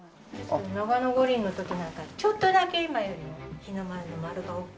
長野五輪の時なんかちょっとだけ今よりも日の丸の丸が大きい。